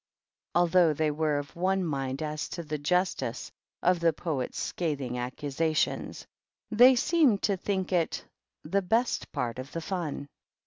Although th were of one mind as to the justice of the Poe scathing accusations, they seemed to think it 1 best part of the fun.